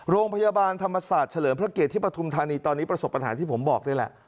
โรงพยาบาลธรรมศาสตร์เฉลิมพระเกียรติที่ปฐุมธานีตอนนี้ประสบปัญหาที่ผมบอกนี่แหละ